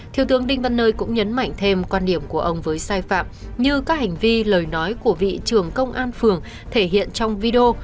thiếu tướng đinh văn nơi cũng nhấn mạnh thêm quan điểm của ông với sai phạm như các hành vi lời nói của vị trưởng công an phường thể hiện trong video